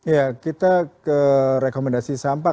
ya kita ke rekomendasi sampah